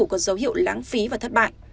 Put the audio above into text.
có dấu hiệu lãng phí và thất bại